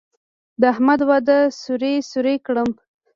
د احمد واده سوري سوري کړم.